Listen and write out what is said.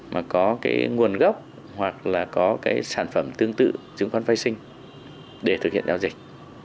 mà có cái nguồn gốc hoặc là có cái sản phẩm tương tự chứng khoán phái sinh để thực hiện giao dịch